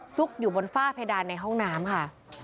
อยู่บนฝ้าเพดานในห้องน้ำค่ะ